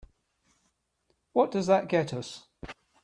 What does that get us?